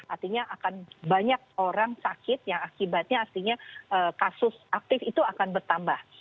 artinya akan banyak orang sakit yang akibatnya artinya kasus aktif itu akan bertambah